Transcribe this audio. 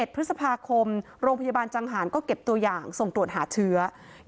๑พฤษภาคมโรงพยาบาลจังหารก็เก็บตัวอย่างส่งตรวจหาเชื้อ